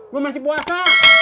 gue masih puasa